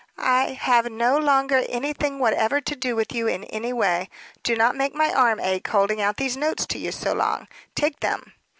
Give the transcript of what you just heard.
"I have no longer anything whatever to do with you in any way. Do not make my arm ache, holding out these notes to you so long! Take them!"